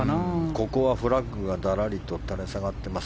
ここはフラッグがだらりと垂れ下がっています。